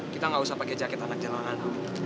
kita nggak usah pakai jaket anak jalanan